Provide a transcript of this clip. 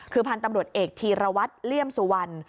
คือพันธุ์ตำรวจเอกธีรวัตรเลี่ยมสุวรรณ